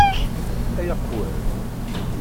Ay aqewwad!